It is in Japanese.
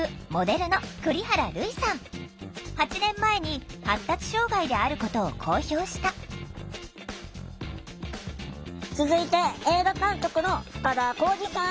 ８年前に発達障害であることを公表した続いて映画監督の深田晃司さん。